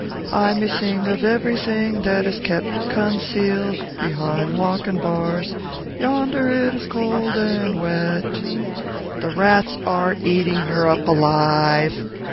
I may sing of everything that is kept concealed behind lock and bars. Yonder it is cold and wet. The rats are eating her up alive!